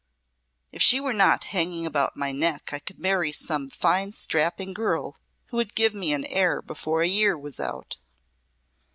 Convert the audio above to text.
If she were not hanging about my neck I could marry some fine strapping girl who would give me an heir before a year was out."